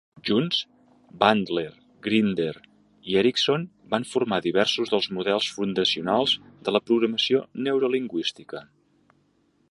Junts, Bandler, Grinder i Erickson van formar diversos dels models fundacionals de la programació neurolingüística.